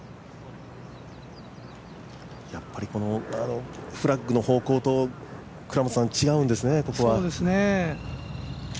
やっぱりこのフラッグの方向と違うんですね、ここは。